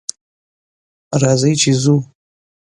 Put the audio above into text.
راځئ چې ځو